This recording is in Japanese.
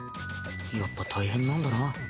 やっぱ大変なんだな。